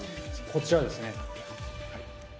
こちらですね。